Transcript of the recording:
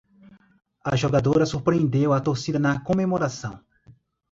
A jogadora surpreendeu a torcida na comemoração